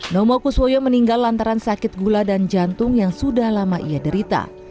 nomo kuswoyo meninggal lantaran sakit gula dan jantung yang sudah lama ia derita